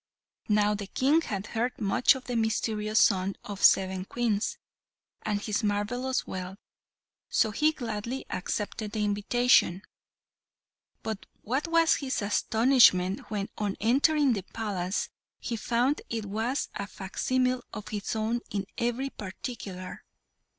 Now the King had heard much of the mysterious son of seven Queens, and his marvellous wealth, so he gladly accepted the invitation; but what was his astonishment when on entering the palace he found it was a facsimile of his own in every particular!